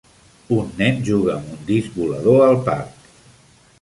Un nen juga amb un disc volador al parc.